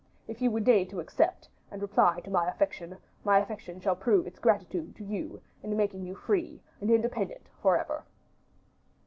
If you would deign to accept, and reply to my affection, my affection shall prove its gratitude to you in making you free and independent forever."